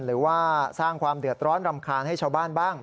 หรือว่าสร้างความเดือดร้อนรำคาญให้ชาวบ้านบ้าง